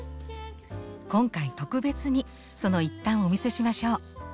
今回特別にその一端をお見せしましょう。